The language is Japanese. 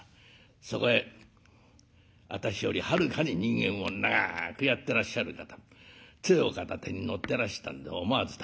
そこへ私よりはるかに人間を長くやってらっしゃる方つえを片手に乗ってらしたんで思わず立ち上がっちゃいましたね。